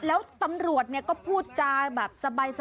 แล้วตำรวจพูดจังแบบสะใบ